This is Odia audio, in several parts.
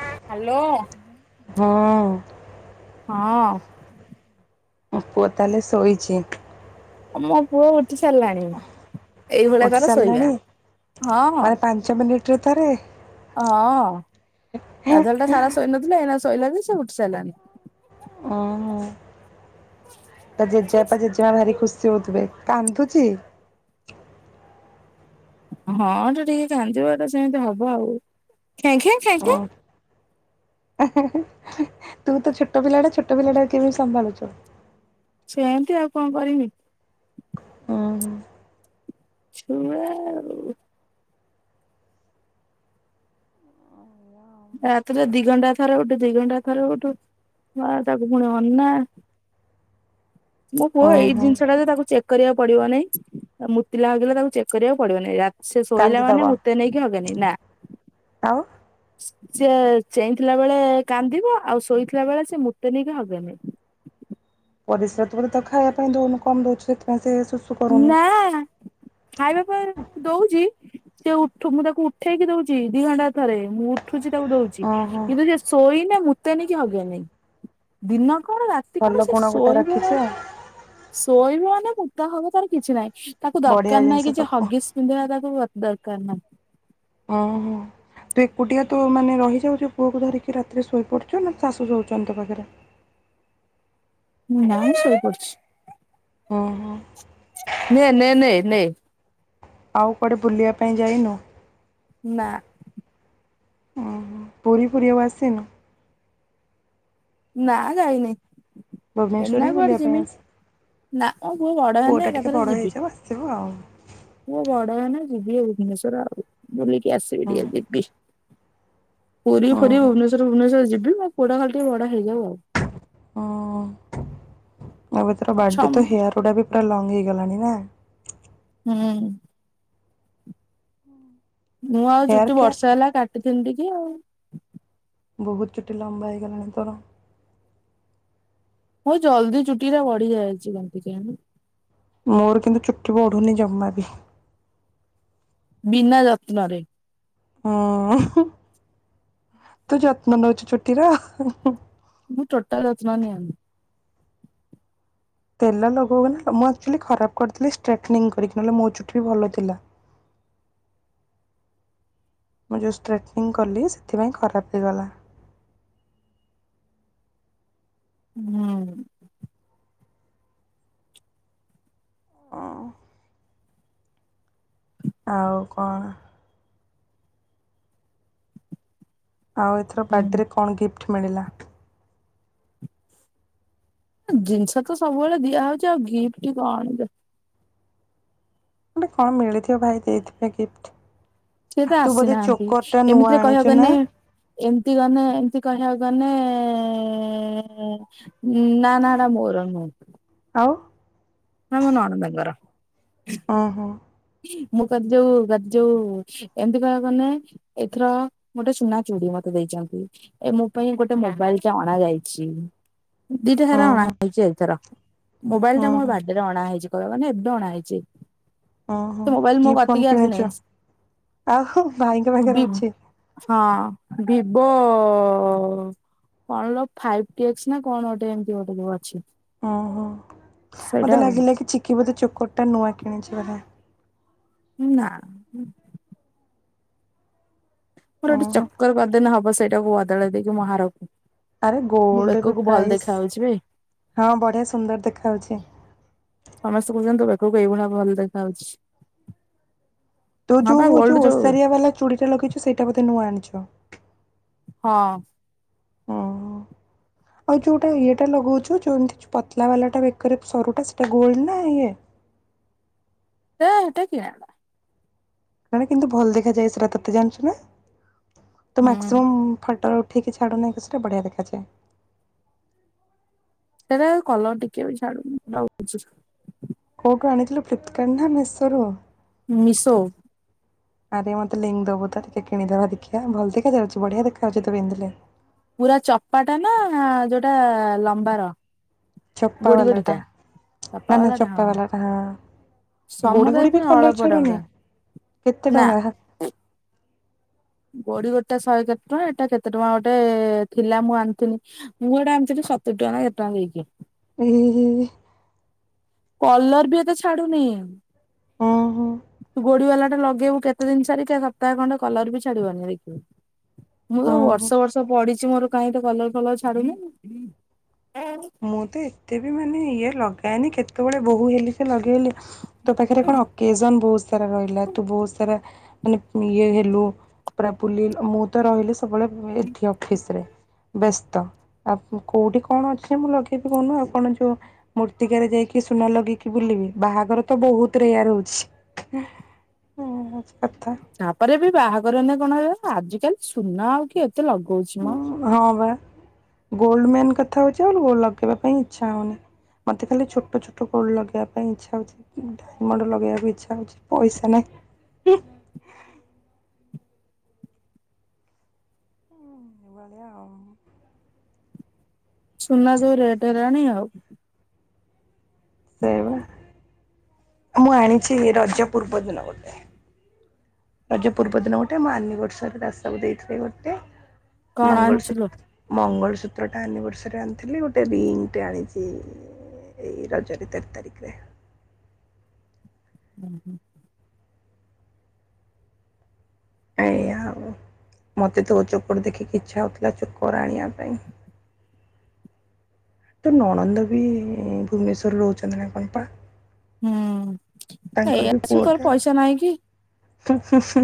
ହ୍ୟାଲୋ ହଁ ହଁ ପୁଅ ତାହେଲେ ଶୋଇଛି ମୋ ପୁଅ ଉଠି ସାରିଲାଣି ଏଇଭଳିଆ ଉଠି ତାର ଶୋଇବା ସାରିଲାଣି ହଁ ହଁ ମାନେ ପାଞ୍ଚ ମିନିଟ୍ ରେ ଥରେ ହଁ ଗାଧୁଆବେଳ ଟା ସାରା ଶୋଇନଥିଲେ ଏଇନା ଶୋଇଲାନି ସେ ଉଠି ସାରିଲାଣି ଓ ହୋ ତା ଜେଜେବାପା ଜେ ମା ଭାରି ଖୁସି ହେଉଥିବେ କାନ୍ଦୁଛି। ହଁ ତ ଟିକେ କାନ୍ଦିବ ତ ସେମିତି ହବ ଆଉ ଖେଁ ଖେଁ ଖେଁ ଓ ଖେଁ ତୁ ତ ଛୋଟ ପିଲାଟା ଛୋଟ ପିଲାଟା କେମିତି ସମ୍ଭାଳୁଛୁ। ସେମିତି ଆଉ କଣ କରିବି। ଓହୋ। ଛୁଆ ଆଉ ରାତିରେ ଦିଘଣ୍ଟା ଥରେ ଉଠୁ ଦିଘଣ୍ଟା ଥରେ ଉଠୁ ବା ତାକୁ ପୁଣି ଅନା ମୋ ପୁଅ ଏଇ ଓହୋ ଜିନିଷ ଟା ଯେ ତାକୁ ଚେ କରିବାକୁ ପଡିବ ନାଇଁ ମୁତିଲା ହଗିଲା ତାକୁ ଚେକ୍ କରିବାକୁ ପଡିବ ନାହିଁ ରାତ ଶୋଇଲା ମାନେ କାନ୍ଦିଦବ ସେ ମୁତେ ନେଇ। ହଲେନି ନା ଆଉ ସିଏ ଚେଇଁଥିଲା ବେଳେ କାନ୍ଦିବ ଆଉ ଶୋଇଥିଲା ବେଳେ ସେ ମୁତେନି କି ହଗେନି ପରିସ୍ରା ପରେ ଖାଇବା ପାଇଁ ଦଉନୁ କମ ଦଉଛୁ ସେଥିପାଇଁ ସେ କରୁନି ନା ଖାଇବା ପାଇଁ ମୁଁ ଦଉଛି। ସେ ଉଠୁ ମୁଁ ତାକୁ ଉଠେଇକି ଦଉଛି ଦି ଘଣ୍ଟା ଥରେ ମୁଁ ଉଠୁଛି ତାକୁ ଦଉଛି। ଓହୋ କିନ୍ତୁ ସେ ଶୋଇନେ ମୁତେନି କି ହଗେନି ଦିନ କଣ ରାତି କଣ ଭଲ ସେ ଗୁଣ ଗୋଟେ ଶୋଇବ ରଖିଛି ମାନେ ଆଉ ଶୋଇବ ମାନେ ମୁତା ହଗା ତାର କିଛି ନାହିଁ। ତାକୁ ବଢ଼ିଆ ଦରକାର ନାହିଁ ଜିନିଷ ତୋ କିଛି ପୁଅ। ହଗିସ୍ ପିନ୍ଧେଇବା ତାକୁ ଦରକାର ନାହିଁ। ଓହୋ! ତୁ ଏକୁଟିଆ ତୁ ମାନେ ରହିଯାଉଛୁ ପୁଅକୁ ଧରିକି ରାତିରେ ଶୋଇପଡୁଛୁ ନା ଶାଶୁ ଶୋଉଛନ୍ତି ତୋ ପାଖରେ? ନା ମୁଁ ଶୋଇପଡୁଛି। ଓ ହୋ ନେ, ନେ, ନେ, ନେ ଆଉ କୁଆଡେ ବୁଲିବା ପାଇଁ ଯାଇନୁ? ନା, ପୁରୀ ଫୁରି ଆଉ ଆସିନୁ? ନା, ଯାଇନି। ଭୁବନେଶ୍ୱର ଏନା ବି କୁଆଡେ ବୁଲିବା ପାଇଁ ଯିମି ଆସ ନା ମୋ ପୁଅ ବଡ ହେଲେ ପୁଅଟା ଏକା ଟିକେ ଥରେ ବଡ଼ ଯିବି। [unintelligible] ପୁଅ ବଡ ହେନେ ଯିବି ଭୁବନେଶ୍ଵର ଆଉ ବୁଲିକି ଆସିବି ହଁ, ଟିକେ ଯିବି। ପୁରୀ ଫୁରୀ, ଓହୋ! ଭୁବନେଶ୍ଵର ଫୁବନେଶ୍ଵର ଯିବି ମୋ ପୁଅ ଟା ଖାଲି ଟିକେ ବଡ ହେଇଯାଉ ଆଉ। ହୁଁ ଏବେ ତାର ଛ ବାର୍ଡେ ତ ହୁଁ ହେୟାର ଗୁଡା ବି ପୁରା ଲଙ୍ଗ ହେଇଗଲାଣି ନା? ହୁଁ, ମୁଁ ଆଉ ହେୟାର୍ ଚୁଟି କେୟାର୍ ବର୍ଷେ ହେଲା କାଟିଥିନି ଟିକେ ଆଉ। ବହୁତ ଚୁଟି ଲମ୍ବା ହେଇଗଲାଣି ତୋର।। ବହୁତ ଜଲଦି ଚୁଟିରା ବଢି ଯାଇଛି କେମିତି କେଜାଣି ମୋର କିନ୍ତୁ ଚୁଟି ବଢୁନି ଜମା ବି। ବିନା ଯତ୍ନରେ। ହଁ, ତୁ ଯତ୍ନ ନେଉଛୁ ଚୁଟିର? ମୁଁ ଟୋଟାଲି ଯତ୍ନ ନିଏନି। ତେଲ ଲଗାଉନା ମୁଁ ଆକଚୁଲି ଖରାପ କରିଦେଲି ଷ୍ଟ୍ରେଟନିଙ୍ଗ କରିକି ନହେଲେ ମୋ ଚୁଟି ବି ଭଲ ଥିଲା। ମୁଁ ଯଉ ଷ୍ଟ୍ରେଟନିଂ କଲି ସେଥିପାଇଁ ଖରାପ ହେଇଗଲା। ହୁଁ ହଁ। ଆଉ କଣ? ଆଉ ଏଥର ହୁଁ। ବାର୍ଡେରେ କଣ ଗିଫ୍ଟ ମିଳିଲା? ଜିନିଷ ତ ସବୁବେଳେ ଦିଆ ହଉଛି ଆଉ ଗିଫ୍ଟ କଣ? ଗୋଟେ କଣ ମିଳିଥିବ ଭାଇ ଦେଇଥିବେ ଗିଫ୍ଟ ସିଏ ତ ତୁ ବୋଧେ ଆସିନାହାନ୍ତି, ଚୋକର ଟା ନୂଆ ଏମିତିରେ ଆଣିଛୁ କହିବାକୁ ନା ଗଲେ ଏମିତି ଗଲେ ଏମିତି କହିବାକୁ ଗଲେ ଏ ହୁଁ ନା, ନା, ନା ମୋର ନୁହେ। ଆଉ ହେରା ମୋ ନଣନ୍ଦଙ୍କର। ଓ ହୋ। ମୁଁ କହିଲି ଯୋଉ ଯୋଉ ଏମିତି କହିବାକୁ ଗନେ ଏଥର ଗୋଟେ ସୁନା ଚୁଡି ମତେ ଦେଇଛନ୍ତି। ଏ ମୋ ପାଇଁ ଗୋଟେ ମୋବାଇଲ ଟେ ଅଣା ଯାଇଛି। ଦିଟା ଉଁ ସାରା ଅଣା ହୁଁ ହେଇଛି ଏଇଥର, ମୋବାଇଲ ଉଁ ଟା ମୋର ହୁଁ ବାର୍ଡେରେ ଅଣା ହେଇଛି କହିବାକୁ ଗଲେ ଏବେ ଅଣା ହେଇଛି। ଓହୋ ସେ ମୋବାଇଲ ମୋ କି ଫୋନ୍ କତିକି ଆସିନାହିଁ କିଣିଛୁ? ଆଉ ଭାଇଙ୍କ ବି ପାଖରେ ଅଛି? ହଁ, ଭିଭୋ ଓ କଣ ଲୋ ଫାଇପ ଟି ଏକ୍ସ ନା କଣ ଗୋଟେ ଏମତି ଗୋଟେ ଅଛି। ଓହୋ, ସେଇଟା ମୋତେ ଆଉ ଲାଗିଲା କି ଚିକି ବୋଧେ ଚୋକୋରଟା ନୂଆ କିଣିଛି ବୋଧେ? ନା ମୋର ଉଁ ଗୋଟେ ହୁଁ। ଚକର କରିଦେନେ ହବ ସେଇଟାକୁ ବଦଳେଇ ଦେଇକି ମୋ ହାରକୁ ଆରେ ମୋ ଗୋଲ୍ଡ ଏବେ ବେକକୁ ଭଲ ପ୍ରାଇସ୍, ଦେଖା ହଉଛି ବେ। ହଁ, ବଢ଼ିଆ ସୁନ୍ଦର ଦେଖାହେଉଛି। ସମସ୍ତେ କହୁଚନ୍ତି ତୋ ବେକକୁ ଏଇଭଳିଆ ଭଲ ଦେଖାହେଉଛି। ତୋ ଯୋଉ ହଉ ଯୋଉ ଓସାରଆ ବାଲା ଚୁଡ଼ି ଟା ଲଗେଇଛୁ ସେଇଟା ବୋଧେ ନୂଆ ଆଣିଛୁ? ହଁ। ଓହୋ। ଆଉ ଯୋଉଟା ଇଏଟା ଲଗଉଛୁ ଯୋଉ ଏମିତି ପତଲା ବାଲା ଟା ବେକରେ ସରୁଟା ସେଇଟା ଗୋଲ୍ଡ ନା ଇଏ? ହେ ହେଇଟା କିଣାଟା। ମାନେ କିନ୍ତୁ ଭଲ ଦେଖାଯାଏ ସେଟା ତତେ ଜାଣିଛୁ ନା, ତୋ ହୁଁ। ମାକ୍ସିମମ୍ ଫଟୋ କି ଛାଡୁନା ସେଇଟା ବଢ଼ିଆ ଦେଖାଯାଏ। ସେଇଟା କଲର୍ ଟିକେ ବି ଛାଡୁନି, ରହୁଛି। କୋଉଠୁ ଆଣିଥିଲୁ ଫ୍ଲିପକାର୍ଟ ନା ମିଶୋ ରୁ? ମିଶୋ ଆରେ ମତେ ଲିଙ୍କ ଦବୁ ତ ଟିକେ କିଣିଦବା ଦେଖିବା ଭଲ ଦେଖା ଯାଉଛି ବଢିଆ ଦେଖାଯାଉଛି ତୁ ପିନ୍ଧିଲେ। ପୁରା ଚପାଟା ନା ଯୋଉଟା ଲମ୍ବାର? ଚପା ଗୋଡି ବାଲାଟା ଗୋଡିଟା ଚପା ନା ନା ବାଲାଟା ଚପା ହଁ। ବାଲାଟା ହଁ। ଗୋଡ଼ି ସମଦାୟ ଗୋଡ଼ି ବି ପୁଣି କଲର ଅଳପ ଛାଡୁନି, ଟଙ୍କା କେତେ ନା ଟଙ୍କା? ଗୋଡି ଗୋଡ଼ି ଟା ଶହେ କେତେ ଟଙ୍କା ଏଟା କେତେ ଟଙ୍କା ଗୋଟେ ଏ ଥିଲା ମୁଁ ଆଣିଥିଲି। ମୁଁ ଏଟା ଆଣିଥିଲି ସତୁରି ଟଙ୍କା ନା କେତେ ଟଙ୍କା ଦେଇକି। [inaudible] କଲର୍ ବି ଏତେ ଛାଡୁନି ଓହୋ ତୁ ଗୋଡି ବାଲା ଟା ଲଗେଇବୁ କେ କେତେ ଦିନ ସାରିକା ସପ୍ତାହ ଖଣ୍ଡେ କଲର୍ ବି ଛାଡିବନି ଦେଖିବୁ ମୁଁ ତ ଓହୋ ବର୍ଷ ବର୍ଷ ପଡିିଛି ମୋର। କାହିଁ ତ କଲର ଫଲର ଛାଡୁନି। ମୁଁ ତ ଏତେ ବି ମାନେ ଇଏ ଲଗାଏନି କେତେବେଳେ ବୋହୂ ହେଲି ଯେ ଲଗେଇଲି ତୋ ପାଖରେ କଣ। କେଜନ ବହୁତ ସାରା ରହିଲା ତୁ ବହୁତ ସାରା ମାନେ ଇଏ ହେଲୁ। ପୁରା ବୁଲି ମୁଁ ତ ରହିଲି ସବୁବେଳେ ଏଠି ଅଫିସ ରେ। ବ୍ୟସ୍ତ ଆଉ କୋଉଠି କଣ ଅଛି ଯେ ମୁଁ ଲଗେଇବି କହୁନୁ ଆଉ କଣ ଯୋଉ। ମୂର୍ତ୍ତିକାରେ ଯାଇକି ସୁନା ଲଗେଇକି ବୁଲିବି ବାହାଘର ତ ବହୁତ ରେୟାର ହଉଛି। ଓହଁ କଥା। ତାପରେ ବି ବାହାଘର କଣ ହେଲେ ଆଜିକାଲି ସୁନା ଆଉ କିଏ ଏତେ ଲଗଉଛି ମୋ। ହଁ ବା ଗୋଲ୍ଡ ମେନ୍ କଥା ହଉଛି ଆଉ ଲଗେଇବା ପାଇଁ ଇଚ୍ଛା ହେଉନି। ମତେ ଖାଲି ଛୋଟ ଛୋଟୋ ଗୋଲ୍ଡ ଲଗେଇବା ପାଇଁ ଇଚ୍ଛା ହଉଛି। ଡାଇମଣ୍ଡ ଲଗେଇବାକୁ ଇଚ୍ଛା ହଉଛି ପଇସା ନାହିଁ। ବଢ଼ିଆ। ସୁନା ଯୋଉ ରେଟ୍ ହେଲାଣି ଆଉ। ସେୟା ବା ମୁଁ ଆଣିଛି ରଜ ପୂର୍ବ ଦିନ ଗୋଟେ। ରଜ ପୂର୍ବ ଦିନ ଗୋଟେ ମୋ ଆନିଭର୍ଷରି ରେ ଦାସ ବାବୁ ଦେଇଥିଲେ ଗୋଟେ କଣ ମଙ୍ଗଳସୂ ଆଣିଥିଲୁ? ମଙ୍ଗଳସୂତ୍ରଟା ଆନିଭର୍ଷରୀ ରେ ଆଣିଥିଲି ଗୋଟେ ରିଙ୍ଗଟେ ଆଣିଛି। ଏଇ ରଜରେ ତେର ତାରିଖରେ। ହୁଁ ହୁଁ। ଏଇଆ ଆଉ ମତେ ତୋ ଚୋକର ଦେଖିକି ଇଚ୍ଛା ହଉଥିଲା ଚୋକର ଆଣିବା ପାଇଁ। ତୋ ନଣନ୍ଦ ବି ଭୁବନେଶ୍ୱର ରେ ରହୁଛନ୍ତି ନା କଣ ପା? ହୁଁ ତାଙ୍କର ନେଇଆସିବୁ ତୋର ପଇସା ନାହିଁ କି? ହଁ ହଁ ହଁ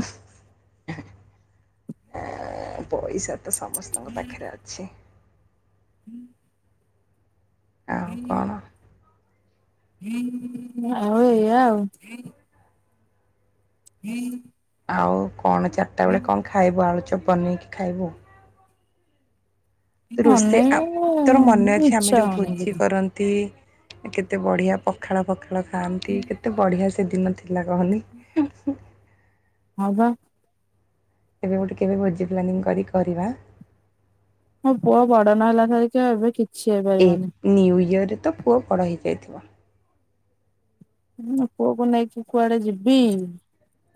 ପଇସା। ତ ସମସ୍ତଙ୍କ ପାଖରେ ଅଛି। ହଁ। ଆଉ କଣ [inaudible] ଆଉ ଏଇୟା ଆଉ। [inaudible] ଆଉ କଣ ଚାରିଟା ବେଳେ କଣ ଖାଇବୁ ଆଳୁଚପ୍ ବନେଇକି ଖାଇବୁ? ତ ରୋଷେଇ ଆ ତୋର ମନେ ଅନେଇବାକୁ ଅଛି ଆମେ ଇଚ୍ଛା ଯୋଉ ହଉନି ଭୋଜି କିଛି। କରନ୍ତି। କେତେ ବଢ଼ିଆ ପଖାଳ ପଖାଳ ଖାଆନ୍ତି କେତେ ବଢ଼ିଆ ସେ ଦିନ ଥିଲା କହନି। ହଁ ବା। ଏବେ ଗୋଟେ କେବେ ଭୋଜି ପ୍ଲାନିଂ କରି କରିବା। ମୋ ପୁଅ ବଡ ନ ହେଲା ସରିକ ଏବେ କି ଏ ନ୍ୟୁୟରରେ ତ ପୁଅ ବଡ଼ ହେଇଯାଇଥିବ। ହୁଁ ପୁଅକୁ ନେଇକି କୁଆଡେ ଯିବି।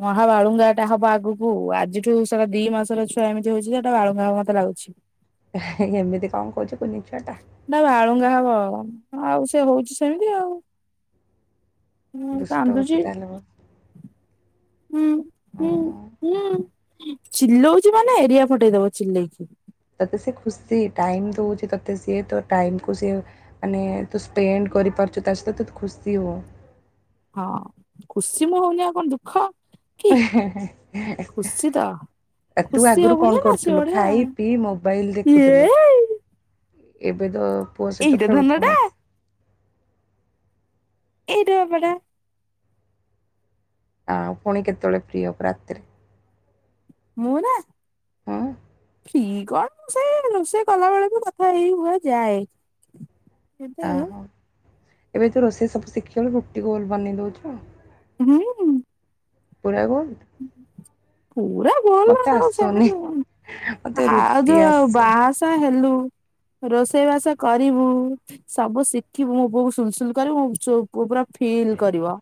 ମହାବାଳୁଙ୍ଗା ଏଟା ହବ ଆଗକୁ ଆଜିଠୁ ସାରା ଦି ମାସର ଛୁଆ ଏମିତି ହଉଛି ସେଟା ବାଳୁଙ୍ଗା ହବ ମତେ ଲାଗୁଛି। ଏମିତି କଣ କହୁଛ କୁନି ଛୁଆ ଟା। ନା ବାଳୁଙ୍ଗା ହବ ଆଉ ସେ ହଉଛି ସେମିତି ଆଉ। ମୁଁ ଦୁଷ୍ଟ ହଉଛି କାନ୍ଦୁଚି। ତାହେଲେ ବହୁତ ଓହୋ ଚିଲଉଛି ମାନେ ଏରିଆ ଫଟେଇ ଦଉଚି ଚିଲେଇକି। ତୋତେ ସେ ଖୁସି ଟାଇମ ଦଉଛି ତୋତେ ସିଏ ତ ଟାଇମକୁୁ ସିଏ। ମାନେ ତୁ ସ୍ପେଣ୍ଡ କରିପାରୁଛୁ ତା ସହିତ ତ ତୁ ଖୁସି ହୋ। ହଁ ଖୁସି ମୁଁ ହଉନି ଆଉ କଣ ଦୁଃଖ। ଖୁସିତ। ଆ ତୁ ଆଗରୁ କଣ କରୁଥିଲୁ, ଖାଇ ପିଇ ମୋବାଇଲ ଏ ଦେଖୁଥିଲୁ। ଏବେ ତ ପୁଅ ସହିତ ଏଇଟା ଧନ ଖେଳୁଥିବ ଟା ମାସ ଏଇଟ ଆପେ [unintelligible] ହଁ ପୁଣି କେତେବେଳେ ଫ୍ରି ହବୁ ରାତିରେ। ମୁଁ ନାଁ। ହଁ ଠି କଣ ସେଇ ରୋଷେଇ କଲା ବେଳେ ବି କଥା ହେଇ ହୋଇଯାଏ। ଏବେଆଁ ଓହୋ ଏବେ ତୁ ରୋଷେଇ ସବୁ ଶିଖିଗଲୁ ରୁଟି ଗୋଲ ବନେଇ ଦଉଛୁ। ହୁଁ ହୁଁ। ପୁରା ଗୋଲ୍। ପୁରା ଭୁଲ ଆଉ ଆସୁନି ସେମିତି ମତେ ଆଉ ରୁଟି ଯୋଉ ଆଉ ଆସେ ବାହା ସାହା ହେଲୁ। ରୋଷେଇବାସ କରିବୁ। ସବୁ ଶିଖିବୁ ମୋ ପୁଅକୁ ସୁଲସୁଲ କରିବ ପୁରା ଫିଲ୍ କରିବ।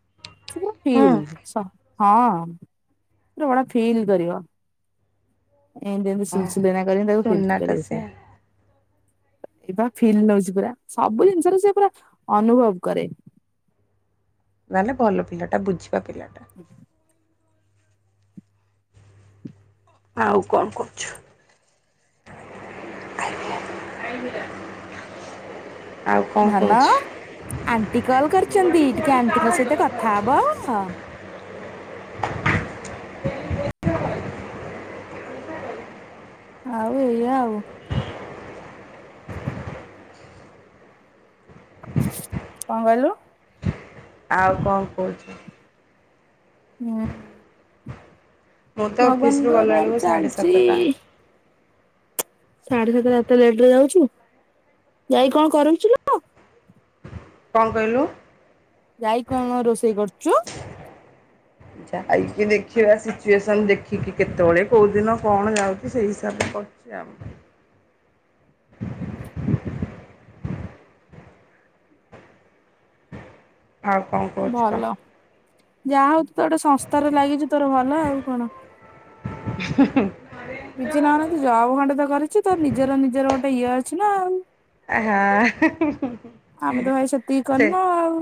ସେ ପୁରା ହୁଁ ଫିଲ୍ ହଁ ପୁରା ଭଡ ଫିଲ୍ କରିବ। ଏମତି ଏମତି ସୁଲ ଓହୋ ସୁଲ କରି ତା ଫିପ୍ତ ସୁନାଟା କରିବ ସେ ସିଏ। ଏ ବା ଫିଲ୍ ନଉଛି ପୁରା, ସବୁ ଜିନିଷରେ ସେ ପୁରା ଅନୁଭବ କରେ। ନହେଲେ ଭଲ ପିଲାଟା ବୁଝିବା ପିଲାଟା। ହଁ ଆଉ କଣ କରୁଛ। ଆ [unintelligible] ଧନ ଆଣ୍ଟି କଲ କରିଛନ୍ତି ଟିକେ ଆଣ୍ଟିଙ୍କ ସହିତ କଥା ହବ। ଆଉ ଏଇଆ ଆଉ। କଣ କହିଲୁ? ଆଉ କଣ କହୁଛୁ। ହୁଁ ମୁଁ ତ ଭଗବାନଙ୍କ ଅଫିସରୁ ଦୟାରୁ ଗଲାବେଳକୁ ସାଢ଼େ ସାତଟା। ଚାଲିଛି ସାଢେ ସାତଟା ଏତେ ଲେଟରେ ଯାଉଛୁ, ଯାଇ କଣ କରୁଛୁନା କଣ କହିଲୁ? ଯାଇ କଣ ରୋଷେଇ କରୁଚୁ ଯାଇକି ଦେଖିବା ସିଚୁଏସନ ଦେଖିକି କେତେବେଳେ କୋଉ ଦିନ କଣ ଯାଉଛି ସେଇ ହିସାବରେ କ ସେ ଆମ ଆଉ କଣ କରହୁଛି କ। ଯାହାହଉ ତୁ ତ ଗୋଟେ ସଂସ୍ଥା ଲାଗିଛ ତୋର ଭଲ ଆଉ କଣ। [unintelligible] କିଛି ନ ହେଲେ ତୁ ଜବ ଖଣ୍ଡେ ତ କରିଛି ତୋର ନିଜର ନିଜର ଗୋଟେ ଇଏ ଅଛି ନା ଆଉ। ଆହା ହୁଁ ଆମେ ତ ହୁଁ ଭାଇ ସେତିକି ସେ କରିନୁ ଆଉ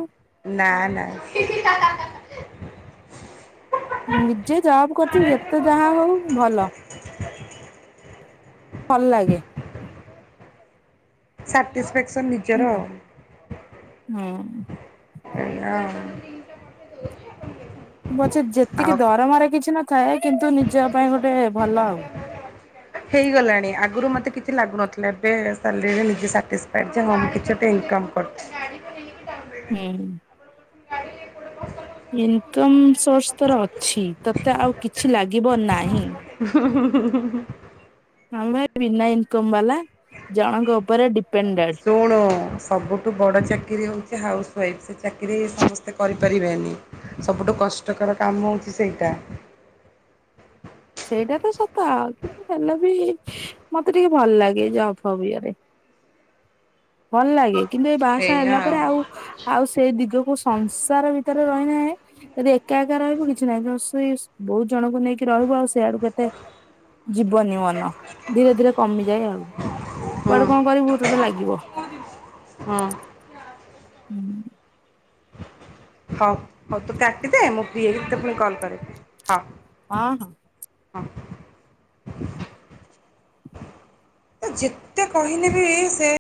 [unintelligible] ନା ନା ନିଜେ ଜବ୍ କରିୁଥିବ ଯେତେ ଯାହା ହଉ ଭଲ। ଭଲ ଲାଗେ। ସାଟିସ୍ଫେକ୍ସନ୍ ନା ହଁ। ଏଇଆଉ। ପଛେ ଯେତିକି ଆଉ ଦରମାରେ କିଛି ନଥାଏ। କିନ୍ତୁ ନିଜ ପାଇଁ ଗୋଟେ ଭଲ ଆଉ। ହେଇଗଲାଣି। ଆଗରୁ ମୋତେ କିଛି ଲାଗୁନଥିଲା ଏବେ ସାଲେରୀରେ ନିଜେ ସାଟିସ୍ଫାଇଡ୍ ଯେ ହଁ ମୁଁ କିଛି ଗୋଟେ ଇନ୍ କମ୍ କର ସେ ଗାଡ଼ି ହୁଁ। ଇନ୍କମ୍ ସୋର୍ସ ତୋର ଅଛି। ତତେ ଆଉ କିଛି ଲାଗିବ ନାହିଁ। ହୁଁ ହୁଁ ହୁଁ ହୁଁ ହୁଁ। ଆମେ ବିନା ଇନ୍କମ୍ ବାଲା ଜଣଙ୍କ ଉପରେ ଡିପେନ୍ ଣ୍ଡେ। ଶୁଣୁ ସବୁଠୁ ବଡ଼ ଚାକିରି ହଉଛି ହାଉସ୍ୱାଇଫ୍, ସେ ଚାକିରି ସମସ୍ତେ କରିପାରିବେନି। ସବୁଠୁ କଷ୍ଟକର କାମ ହଉଛି ସେଇଟା। ସେଇଟା ତ ସତ। ହେଲେ ବି ମତେ ଟିକେ ଭଲ ଲାଗେ ଜବ୍, ଫବ୍ ଇଏରେ ଭଲ ଲାଗେ। କିନ୍ତୁ ଏଇ ବାହା ସାହା ହେଲା ପରେ ଆଉ, ଆଉ ସେଇ ଦିଗକୁ ସଂସାର ଭିତରେ ରହିନେ ଯଦି ଏକା ଏକା ରହିବୁ କିଛି ନାହିଁ। ଦଶ ଇସ୍ ବହୁତ ଜଣଙ୍କୁ ନେଇକି ରହିବ ଆଉ ସେଆଡୁ ଏତେ ଯିବନି ମନ, ଧୀରେ ଧୀରେ କମିଯାଏ ଆଉ। ହଁ କୁଆଡୁ କଁ କରିବୁ ତୋତେ ଲାଗିବ। ହଁ। ହୁଁ। ହଉ, ହଉ ତୁ କାଟିଦେ। ମୁଁ ଫ୍ରି ହେଇକି ତତେ ପୁଣି କଲ୍ କରିବି। ହ। ହଁ, ହଁ। ହଁ। ତ ଯେତେ କହିଲେ ବି ସେ